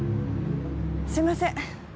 すみません。